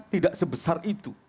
tidak sebesar itu